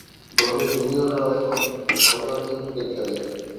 'দলের জুনিয়ররাও এখন ভয়ডরহীন ক্রিকেট খেলে'